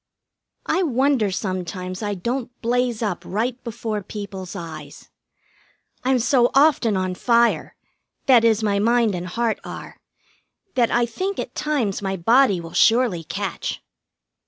I wonder sometimes I don't blaze up right before people's eyes. I'm so often on fire that is, my mind and heart are that I think at times my body will surely catch.